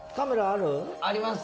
あります。